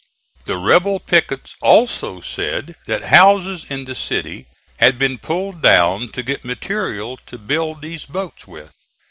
The rebel pickets also said that houses in the city had been pulled down to get material to build these boats with.